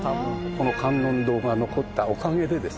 この観音堂が残ったおかげでですね